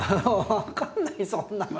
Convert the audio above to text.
分かんないそんなの。